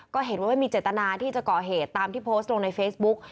ก็เห็นว่าไม่มีเจตนาที่จะก่อเหตุตามที่โพสต์ลงในเฟซบุ๊ก